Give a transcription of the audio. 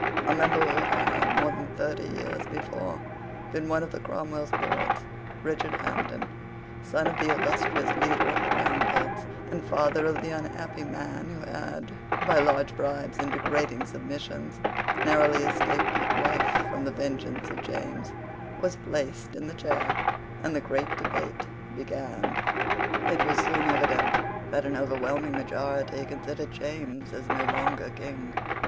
A member who had, more than thirty years before, been one of Cromwell's Lords, Richard Hampden, son of the illustrious leader of the Roundheads, and father of the unhappy man who had, by large bribes and degrading submissions, narrowly escaped with life from the vengeance of James, was placed in the chair, and the great debate began. It was soon evident that an overwhelming majority considered James as no longer King.